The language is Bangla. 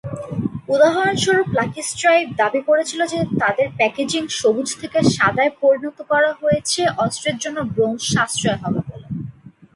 উদাহরণস্বরূপ লাকি স্ট্রাইক দাবি করেছিল যে তাদের প্যাকেজিং সবুজ থেকে সাদায় পরিবর্তন করা হয়েছে অস্ত্রের জন্য ব্রোঞ্জ সাশ্রয় হবে ব'লে।